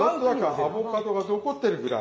アボカドが残ってるぐらい。